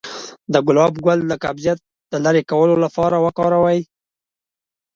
د ګلاب ګل د قبضیت د لرې کولو لپاره وکاروئ